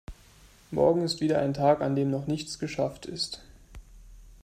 Morgen ist wieder ein Tag, an dem noch nichts geschafft ist.